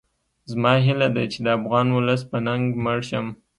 زما هیله ده چې د افغان ولس په ننګ مړ شم